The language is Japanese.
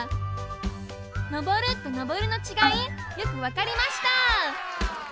「昇る」と「上る」のちがいよくわかりました！